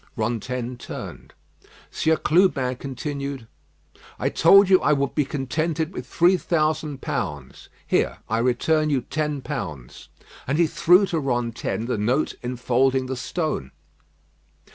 Rantaine turned. Sieur Clubin continued: "I told you I would be contented with three thousand pounds. Here, I return you ten pounds." And he threw to Rantaine the note enfolding the stone.